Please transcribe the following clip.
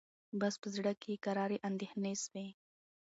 بس په زړه کي یې کراري اندېښنې سوې